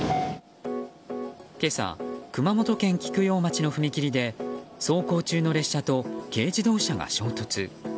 今朝、熊本県菊陽町の踏切で走行中の列車と軽自動車が衝突。